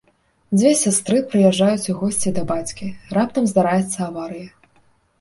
Дзве сястры прыязджаюць у госці да бацькі, раптам здараецца аварыя.